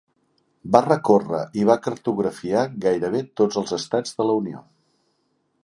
Va recórrer i va cartografiar gairebé tots els estats de la Unió.